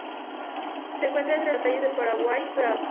Se encuentra entre las calles Paraguay, Gral.